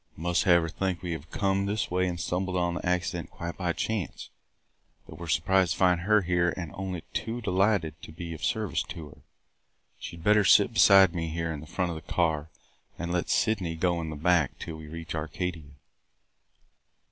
"We must have her think we have come this way and stumbled on the accident quite by chance, that we are surprised to find her here and are only too delighted to be of service to her. She had better sit beside me here in the front of the car and let Sydney go in the back till we reach Arcadia."